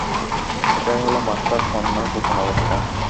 এটাই হল মাস্টার পান্নার গোপন অবস্থান।